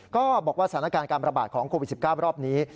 ก็บอกว่าสถานการณ์การประบาดของโควิด๑๙รอบนี้